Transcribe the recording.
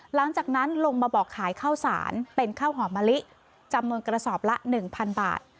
หลังจากนั้นลงมาบอกขายข้าวสารเป็นข้าวหอมมะลิจำนวนกระสอบละ๑๐๐บาท